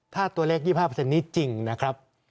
ถ้าตัวเลข๒๕นี้จริงนะครับ